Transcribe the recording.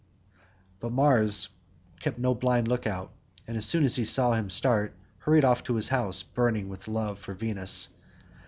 But Mars kept no blind look out, and as soon as he saw him start, hurried off to his house, burning with love for Venus.